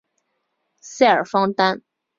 塞尔方丹。